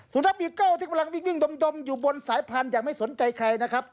นักบีเกิลที่กำลังวิ่งดมอยู่บนสายพันธุ์อย่างไม่สนใจใครนะครับ